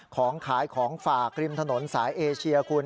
ของขายของฝากริมถนนสายเอเชียคุณ